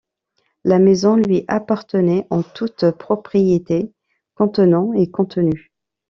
La maison lui appartenait en toute propriété, contenant et contenu.